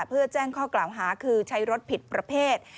เพื่อแจ้งข้อกล่าวหาคือใช้รถผิดประเภท